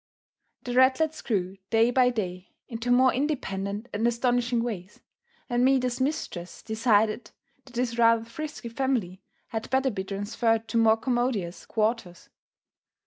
The ratlets grew day by day into more independent and astonishing ways, and Maida's mistress decided that this rather frisky family had better be transferred to more commodious quarters.